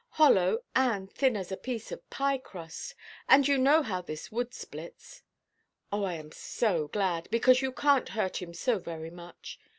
"Hollow, and thin as a piece of pie–crust; and you know how this wood splits." "Oh, I am so glad, because you canʼt hurt him so very much.